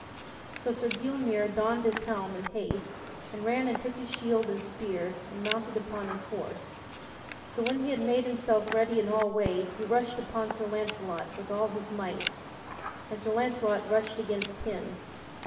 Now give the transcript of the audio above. So Sir Gylmere donned his helm in haste and ran and took his shield and spear and mounted upon his horse. So when he had made himself ready in all ways he rushed upon Sir Launcelot with all his might and Sir Launcelot rushed against him.